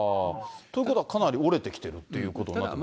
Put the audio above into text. ということはかなり折れてきてるということですよね。